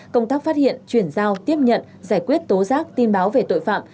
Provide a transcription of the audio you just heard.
công tác phát hiện chuyển giao tiếp nhận giải quyết tố giác tin báo về tội phạm